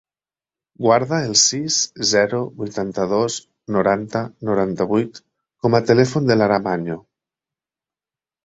Guarda el sis, zero, vuitanta-dos, noranta, noranta-vuit com a telèfon de l'Aram Año.